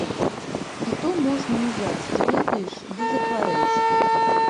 І то можна узяць, ты ведаеш, ды захварэць.